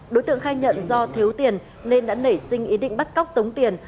đối tượng khai nhận do thiếu tiền nên đã nảy sinh ý định bắt cóc tống tiền